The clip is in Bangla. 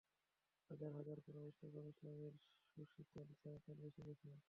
হাজার হাজার কুরাইশ তখন ইসলামের সুশীতল ছায়াতলে এসে গেছে।